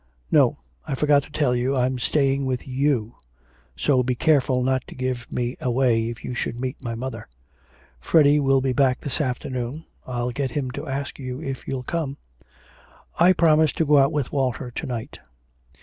'No, I forgot to tell you, I'm staying with you, so be careful not to give me away if you should meet mother. Freddy will be back this afternoon. I'll get him to ask you if you'll come.' 'I promised to go out with Walter to night.'